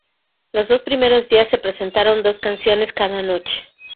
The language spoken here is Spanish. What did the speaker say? Los dos primeros días se presentaron dos canciones cada noche.